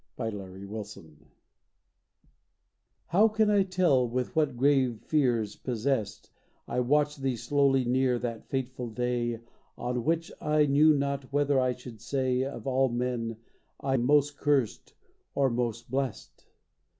XXIII MATERNITY HOW can I tell with what grave fears possessed I watched thee slowly near that fateful day On which I knew not whether I should say Of all men I most cursed or most blest!